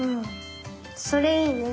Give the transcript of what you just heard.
それいいね。